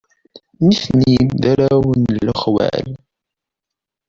Nitni d arraw n lexwal.